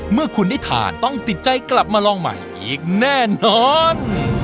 เมื่อคุณได้ทานต้องติดใจกลับมาลองใหม่อีกแน่นอน